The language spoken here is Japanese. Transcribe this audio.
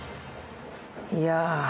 「いや」